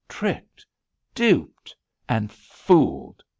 "Tricked, duped and fooled!"